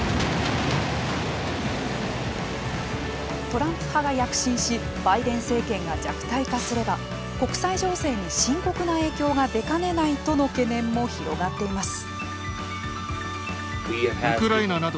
トランプ派が躍進しバイデン政権が弱体化すれば国際情勢に深刻な影響が出かねないとの懸念も広がっています。